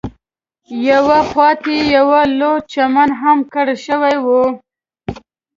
یوې خواته یې یو لوی چمن هم کرل شوی دی.